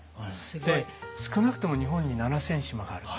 で少なくとも日本に７，０００島があると。